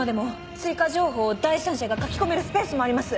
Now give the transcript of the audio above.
追加情報を第三者が書き込めるスペースもあります。